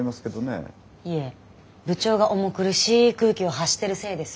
いえ部長が重苦しい空気を発してるせいです。